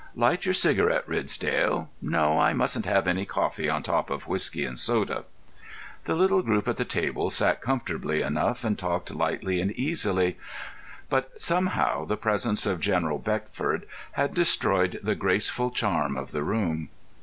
"Light your cigarette, Ridsdale. No, I mustn't have any coffee on top of whisky and soda." The little group at the table sat comfortably enough and talked lightly and easily. But somehow the presence of General Beckford had destroyed the graceful charm of the room.